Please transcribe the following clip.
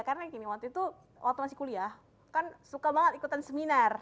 karena gini waktu itu waktu masih kuliah kan suka banget ikutan seminar